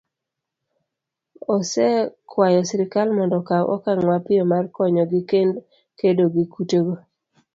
osekwayo sirkal mondo okaw okang' mapiyo mar konyogi kedo gi kutego